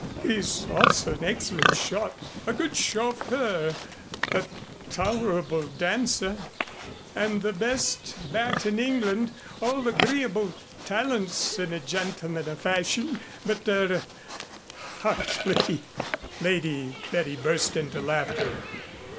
"He's also an excellent shot, a good chauffeur, a tolerable dancer and the best bat in England, all agreeable talents in a gentleman of fashion but er hardly " Lady Betty burst into laughter.